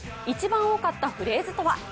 一番多かったフレーズとは？